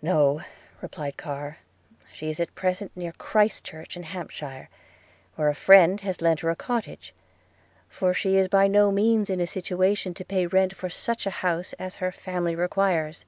'No,' replied Carr; 'she is at present near Christchurch in Hampshire, where a friend has lent her a cottage, for she is by no means in a situation to pay rent for such a house as her family requires.'